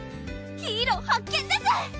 ヒーロー発見です！